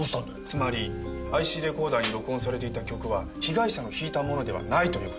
つまりＩＣレコーダーに録音されていた曲は被害者の弾いたものではないという事です。